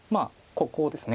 ここです。